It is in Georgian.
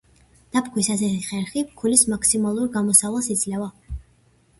დაფქვის ასეთი ხერხი ფქვილის მაქსიმალურ გამოსავალს იძლევა.